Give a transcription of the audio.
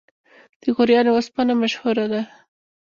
د غوریان وسپنه مشهوره ده